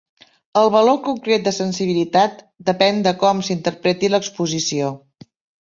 El valor concret de sensibilitat depèn de com s'interpreti l'exposició.